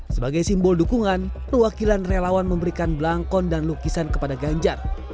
sebagai simbol dukungan perwakilan relawan memberikan belangkon dan lukisan kepada ganjar